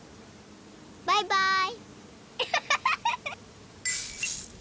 バイバイ。